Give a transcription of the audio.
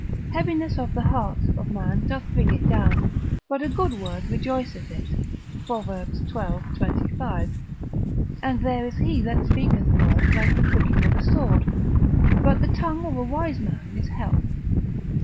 Heaviness of the heart of man doth bring it down, but a good word rejoiceth it, Prov. xii. 25. And there is he that speaketh words like the pricking of a sword, but the tongue of a wise man is health, ver.